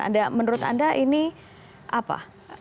anda menurut anda ini apa